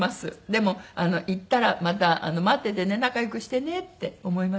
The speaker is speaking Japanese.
でも逝ったらまた待っててね仲良くしてねって思いました。